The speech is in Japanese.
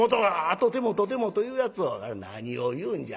とてもとても』というやつを『何を言うんじゃ。